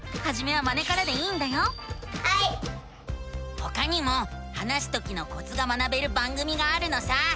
ほかにも話すときのコツが学べる番組があるのさ！